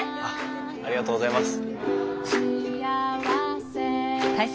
ありがとうございます。